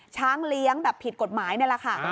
ช้างเลี้ยงแบบผิดกฎหมายนี่แหละค่ะ